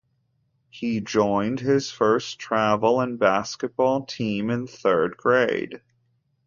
He joined his first travel basketball team in third grade.